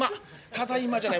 「ただいまじゃない。